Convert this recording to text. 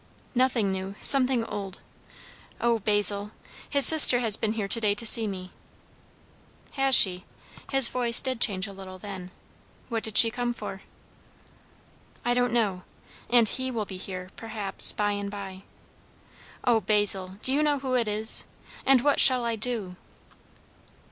"Nothing new. Something old. O Basil his sister has been here to day to see me." "Has she?" His voice did change a little then. "What did she come for?" "I don't know. And he will be here, perhaps, by and by. O Basil, do you know who it is? And what shall I do?"